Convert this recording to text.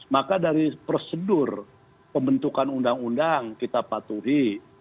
maka dari prosedur pembentukan undang undang kita patuhi